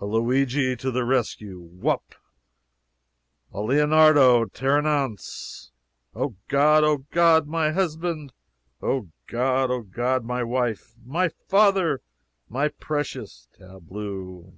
"A Luigi to the rescue! Whoop!" "A Leonardo! 'tare an ouns!'" "Oh, God, Oh, God, my husband!" "Oh, God, Oh, God, my wife!" "My father!" "My precious!" [Tableau.